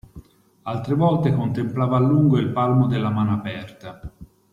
Altre volte contemplava a lungo il palmo della mano aperta.